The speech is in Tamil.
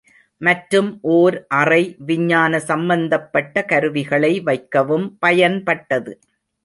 மற்றும் ஓர் அறை விஞ்ஞான சம்பந்தப்பட்ட கருவிகளை வைக்கவும் பயன்பட்டது.